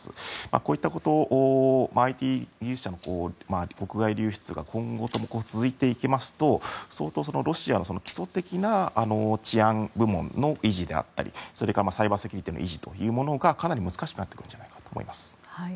こういったＩＴ技術者の国外流出が今後とも続いていきますと相当、ロシアは基礎的な治安部門の維持であったりそれからサイバーセキュリティーの維持がかなり難しくなってくるんじゃないかと思います。